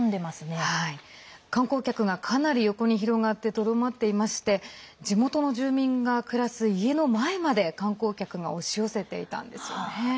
観光客が、かなり横に広がってとどまっていまして地元の住民が暮らす家の前まで観光客が押し寄せていたんですよね。